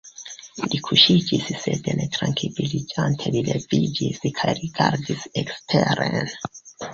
Li kuŝiĝis sed ne trankviliĝante li leviĝis kaj rigardis eksteren.